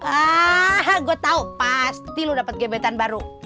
ah gue tau pasti lu dapet gebetan baru